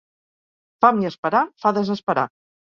Fam i esperar fa desesperar.